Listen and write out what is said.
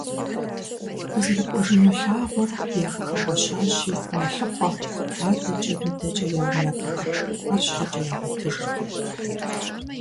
КъызэрыкӀуэжыну лъагъуэр яфӀыхэгъуэщащи мэлъыхъуэ, адэкӀэ-мыдэкӀэ яунэтӀурэ, арщхьэкӀэ ягъуэтыжыркъым.